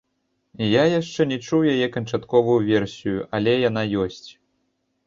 Я яшчэ не чуў яе канчатковую версію, але яна ёсць!